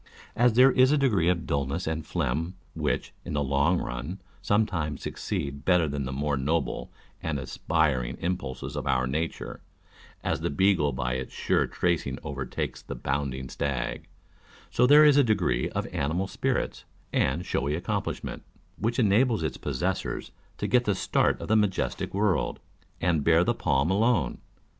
As there is a degree of dullness and phlegm, which, in the long run, sometimes succeeds better than the more noble and aspiring impulses of our nature (as the beagle by its sure tracing overtakes the bounding stag), so there is a degree of animal spirits and showy accomplishment, which enables its possessors " to get the start of the majestic world," and bear the palm alone.